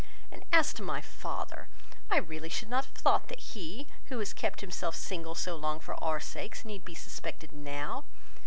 And as to my father, I really should not have thought that he, who has kept himself single so long for our sakes, need be suspected now.